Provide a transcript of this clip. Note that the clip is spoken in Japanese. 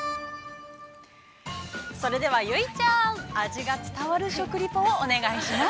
◆それでは、結実ちゃん味が伝わる食リポをお願いします。